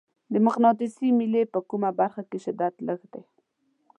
د مقناطیسي میلې په کومه برخه کې شدت لږ دی؟